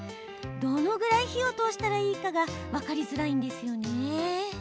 どのぐらい火を通したらいいかが分かりづらいんですよね。